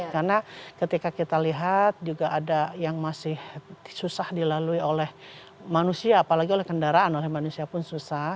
karena ketika kita lihat juga ada yang masih susah dilalui oleh manusia apalagi oleh kendaraan oleh manusia pun susah